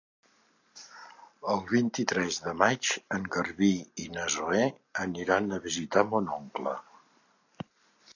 El vint-i-tres de maig en Garbí i na Zoè aniran a visitar mon oncle.